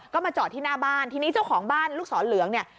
ก็มาจอดที่หน้าบ้านทีนี้เจ้าของบ้านลูกศรเหลืองเนี่ย